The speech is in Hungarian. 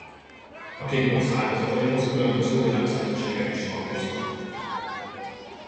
A kick-box ágazataihoz különböző világszövetségek is tartoznak.